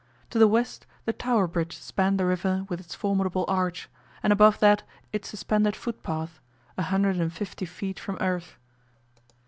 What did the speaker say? To the west the Tower Bridge spanned the river with its formidable arch, and above that its suspended footpath a hundred and fifty feet from earth.